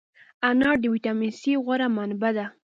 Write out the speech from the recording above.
انار د ویټامین C غوره منبع ده.